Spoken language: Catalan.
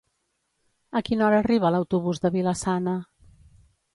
A quina hora arriba l'autobús de Vila-sana?